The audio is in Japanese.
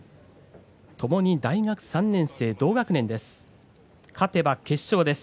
ともに大学３年生、同学年です。